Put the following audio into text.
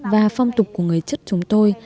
và phong tục của người chất chúng tôi